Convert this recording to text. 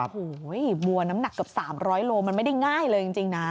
โอ้โหบัวน้ำหนักเกือบ๓๐๐โลมันไม่ได้ง่ายเลยจริงนะ